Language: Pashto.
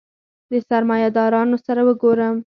د سرمایه دارانو سره وګورم.